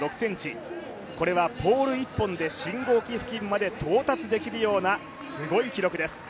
これはポール１本で信号機付近まで到達できるようなすごい記録です。